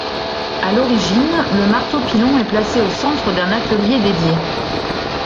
À l'origine, le marteau-pilon est placé au centre d’un atelier dédié.